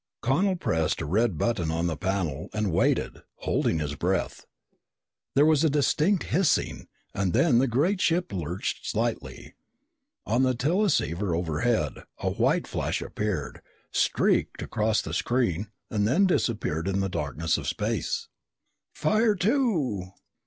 Connel pressed a red button on the panel and waited, holding his breath. There was a distinct hissing and then the great ship lurched slightly. On the teleceiver overhead a white flash appeared, streaked across the screen, and then disappeared in the darkness of space. "Fire two!"